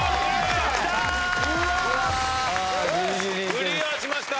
クリアしました。